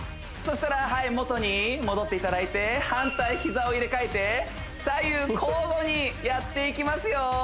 したらはい元に戻っていただいて反対膝を入れ替えて左右交互にやっていきますよ